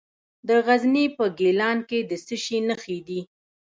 د غزني په ګیلان کې د څه شي نښې دي؟